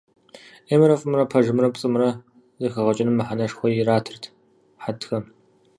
Ӏеймрэ фӏымрэ, пэжымрэ пцӏымрэ зэхэгъэкӏыным мыхьэнэшхуэ иратырт хьэтхэм.